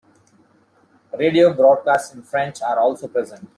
Radio broadcasts in French are also present.